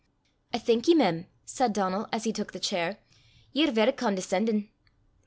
"I thank ye, mem," said Donal, as he took the chair; "ye're verra condescendin'."